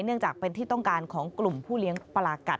เนื่องจากเป็นที่ต้องการของกลุ่มผู้เลี้ยงปลากัด